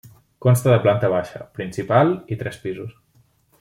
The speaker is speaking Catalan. Consta de planta baixa, principal i tres pisos.